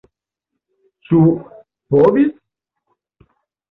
Ĉu povis?